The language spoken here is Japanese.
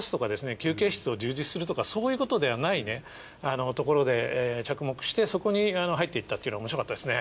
休憩室を充実するとかそういうことではないところで着目してそこに入っていったっていうのおもしろかったですね。